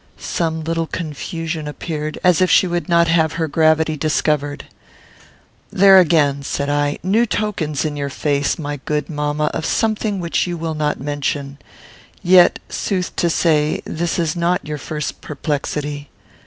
Some little confusion appeared, as if she would not have her gravity discovered. "There again," said I, "new tokens in your face, my good mamma, of something which you will not mention. Yet, sooth to say, this is not your first perplexity.